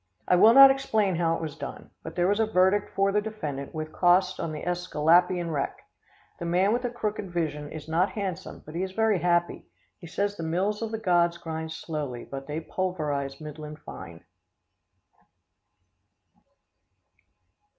I will not explain how it was done, but there was a verdict for defendant with costs on the Esculapian wreck. The man with the crooked vision is not handsome, but he is very happy. He says the mills of the gods grind slowly, but they pulverise middling fine.